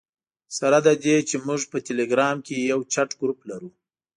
سره له دې چې موږ په ټلګرام کې یو چټ ګروپ لرو.